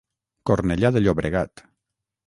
Cornellà de Llobregat.